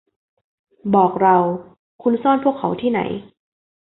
บอกเรา - คุณซ่อนพวกเขาที่ไหน